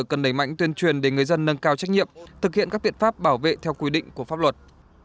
cần đẩy mạnh tuyên truyền để người dân nâng cao trách nhiệm thực hiện các biện pháp bảo vệ theo quy định của pháp luật